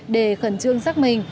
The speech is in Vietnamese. để khẩn trương xác minh